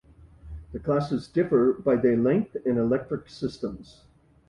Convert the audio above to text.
The classes differ by their length and electric systems.